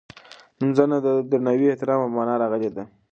نمځنه د درناوي او احترام په مانا راغلې ده.